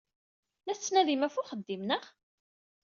La tettnadimt ɣef uxeddim, naɣ?